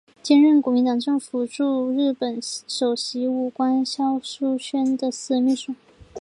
兼任国民党政府驻日本首席武官肖叔宣的私人秘书。